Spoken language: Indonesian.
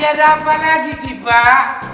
tidak ada apa lagi sih pak